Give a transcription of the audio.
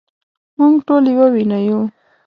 مونږ ټول يوه وينه يو